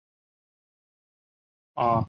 阿河最终在格拉沃利讷注入北海。